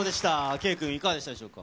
圭君、いかがでしたでしょうか。